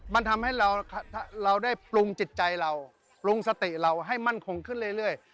มันทำให้เราได้ปรุงจิตใจเราปรุงสติเราให้มั่นคงขึ้นเรื่อย